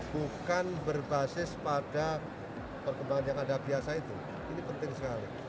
bukan berbasis pada perkembangan yang ada biasa itu ini penting sekali